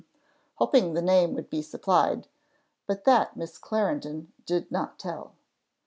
hoping the name would be supplied. But that Miss Clarendon did not tell.